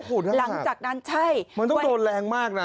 โอ้โฮดั้งหักมันต้องโดนแรงมากนะใช่